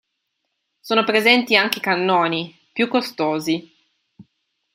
Sono presenti anche i cannoni, più costosi.